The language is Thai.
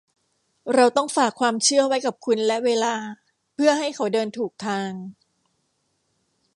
เราต้องฝากความเชื่อไว้กับคุณและเวลาเพื่อให้เขาเดินถูกทาง